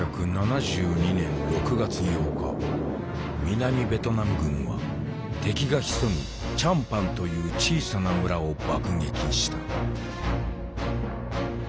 南ベトナム軍は敵が潜むチャンパンという小さな村を爆撃した。